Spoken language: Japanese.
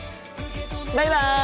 バイバイ！